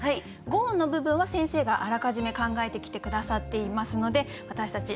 ５音の部分は先生があらかじめ考えてきて下さっていますので私たち